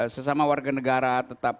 sesama warga negara tetap